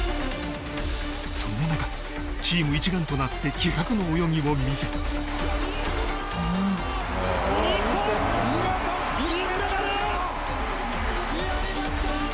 そんな中チーム一丸となって気迫の泳ぎを見せた日本見事銀メダル！やりました！